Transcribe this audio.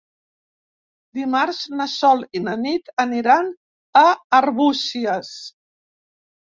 Dimarts na Sol i na Nit aniran a Arbúcies.